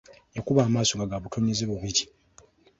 Yakuba amaaso nga gabutonyeze bubiri.